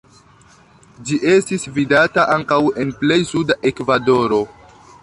Ĝi estis vidata ankaŭ en plej suda Ekvadoro.